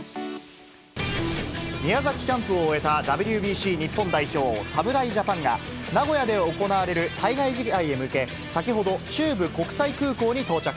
宮崎キャンプを終えたＷＢＣ日本代表、侍ジャパンが、名古屋で行われる対外試合へ向け、先ほど、中部国際空港に到着。